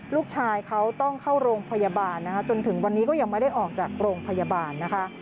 ลูกชายเขาต้องเข้าโรงพยาบาลนะคะจนถึงวันนี้ก็ยังไม่ได้ออกจากโรงพยาบาลนะคะ